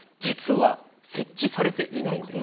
実は設置されていないんです。